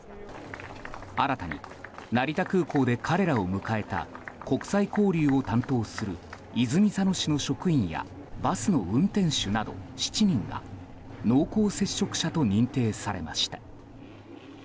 新たに成田空港で彼らを迎えた国際交流を担当する泉佐野市の職員やバスの運転手など７人が濃厚接触者と認定されました。